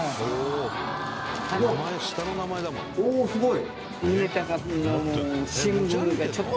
おすごい！